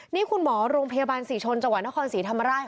นี่คุณหมอโรงพยาบาลศรีชนจังหวัดนครศรีธรรมราช